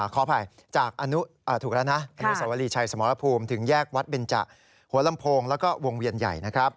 ขออภัยจากถูกแล้วนะอนุสวรีชัยสมรภูมิถึงแยกวัดเบนจะหัวลำโพงแล้วก็วงเวียนใหญ่นะครับ